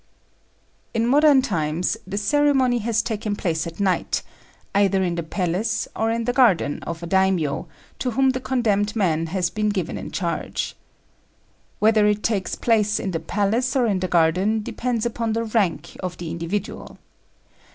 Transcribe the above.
In modern times the ceremony has taken place at night, either in the palace or in the garden of a Daimio, to whom the condemned man has been given in charge. Whether it takes place in the palace or in the garden depends upon the rank of the individual.